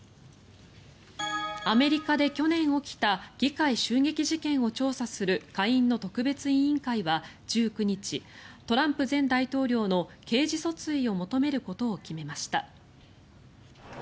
アメリカで去年起きた議会襲撃事件を調査する下院の特別委員会は１９日トランプ前大統領の刑事訴追を求めることを決めました。